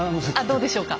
どうでしょうか？